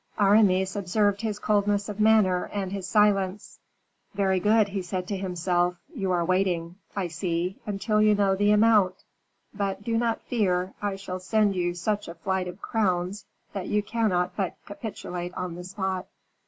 Aramis observed his coldness of manner and his silence. "Very good," he said to himself, "you are waiting, I see, until you know the amount; but do not fear, I shall send you such a flight of crowns that you cannot but capitulate on the spot."